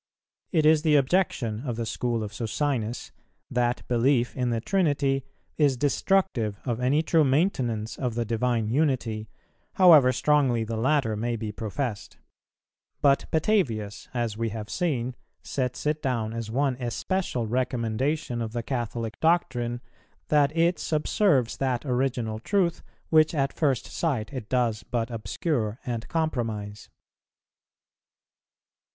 It is the objection of the School of Socinus, that belief in the Trinity is destructive of any true maintenance of the Divine Unity, however strongly the latter may be professed; but Petavius, as we have seen,[423:1] sets it down as one especial recommendation of the Catholic doctrine, that it subserves that original truth which at first sight it does but obscure and compromise.